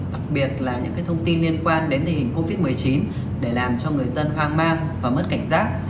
đặc biệt là những thông tin liên quan đến tình hình covid một mươi chín để làm cho người dân hoang mang và mất cảnh giác